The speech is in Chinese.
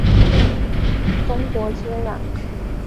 与中国接壤。